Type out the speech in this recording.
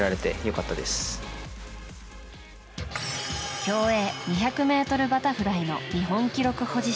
競泳２００ｍバタフライの日本記録保持者